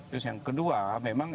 terus yang kedua memang